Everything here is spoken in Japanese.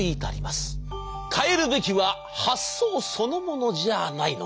変えるべきは発想そのものじゃあないのか？